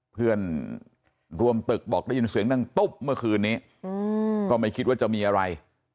เพื่อนร่วมตึกบอกได้ยินเสียงนั่งตุ๊บเมื่อคืนนี้ก็ไม่คิดว่าจะมีอะไร